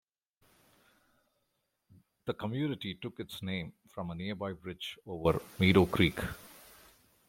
The community took its name from a nearby bridge over Meadow Creek.